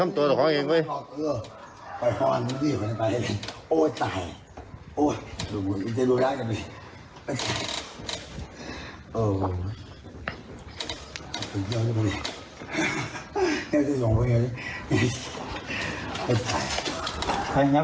ไม่ต้องตรงเดี๋ยว